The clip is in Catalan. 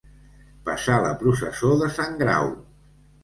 Passar la processó de Sant Grau.